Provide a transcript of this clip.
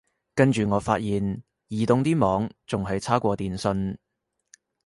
跟住我發現移動啲網仲係差過電信